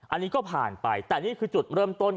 อันนี้ก็ผ่านไปแต่นี่คือจุดเริ่มต้น